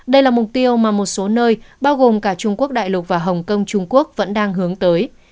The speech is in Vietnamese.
đây là mục tiêu mà một số nơi bao gồm cả trung quốc đại lục và hồng kông trung quốc vẫn đang hướng tới